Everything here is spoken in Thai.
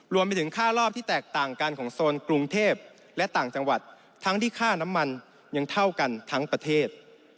รวมไปถึงค่ารอบที่แตกต่างกันของโซนกรุงเทพและต่างจังหวัดทั้งที่ค่าน้ำมันยังเท่ากันทั้งประเทศ